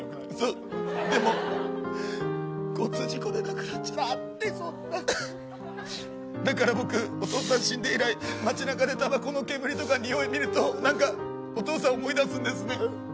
でも交通事故で亡くなっちゃってだから僕、お父さん死んで以来街なかでたばこの煙とかにおいを嗅ぐとお父さん思い出すんですね。